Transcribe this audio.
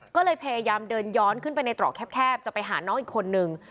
ก็เลยพยายามเดินย้อนขึ้นไปในตรอกแคบจะไปหาน้องอีกคนนึง